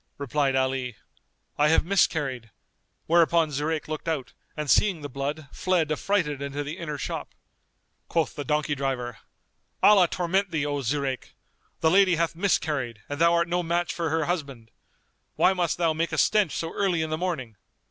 Replied Ali, "I have miscarried"; whereupon Zurayk looked out and seeing the blood fled affrighted into the inner shop. Quoth the donkey driver, "Allah torment thee, O Zurayk! The lady hath miscarried and thou art no match for her husband. Why must thou make a stench so early in the morning?